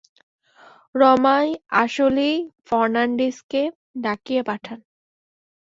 রমাই আসিলেই ফর্নান্ডিজকে ডাকিয়া পাঠান।